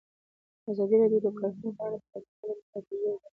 ازادي راډیو د کرهنه په اړه د پرمختګ لپاره د ستراتیژۍ ارزونه کړې.